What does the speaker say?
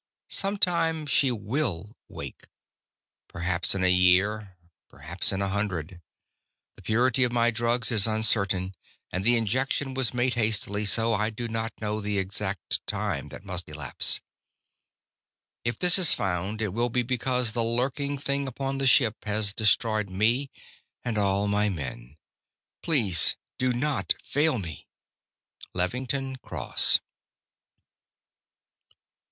"Sometime she will wake. Perhaps in a year, perhaps in a hundred. The purity of my drugs is uncertain, and the injection was made hastily, so I do not know the exact time that must elapse. "If this is found, it will be because the lurking thing upon the ship has destroyed me and all my men. "Please do not fail me. Levington Cross."